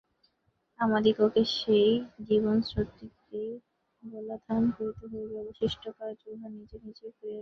আমাদিগকে সেই জীবনস্রোতটিতেই বলাধান করিতে হইবে, অবশিষ্ট কার্য উহা নিজে নিজেই করিয়া লইবে।